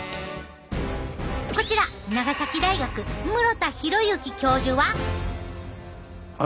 こちら長崎大学室田浩之教授は？